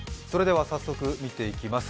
早速見ていきます。